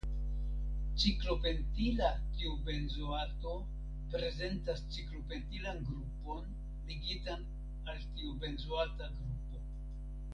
Ciklopentila tiobenzoato prezentas ciklopentilan grupon ligitan al tiobenzoata grupo.